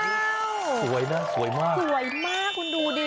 สวยนะสวยมากสวยมากคุณดูดิ